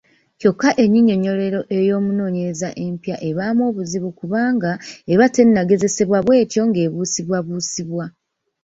Kyokka ennyinyonnyolero ey’omunoonyereza empya ebaamu obuzibu kubanga eba tennagezesebwa bw’etyo ng’ebuusibwabuusibwa.